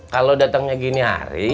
kalau datangnya gini hari